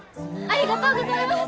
ありがとうございます。